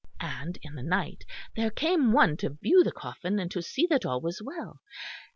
And in the night there came one to view the coffin, and to see that all was well.